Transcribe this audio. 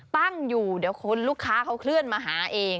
ตั้งอยู่เดี๋ยวคนลูกค้าเขาเคลื่อนมาหาเอง